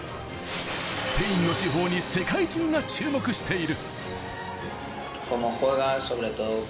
スペインの至宝に世界中が注目している。